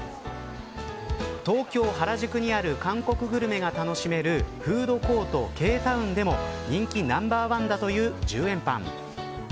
東京、原宿にある韓国グルメが楽しめるフードコート、Ｋ−ＴＯＷＮでも人気ナンバーワンだという１０円パン。